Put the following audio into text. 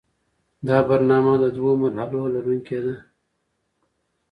دا برنامه د دوو مرحلو لرونکې ده.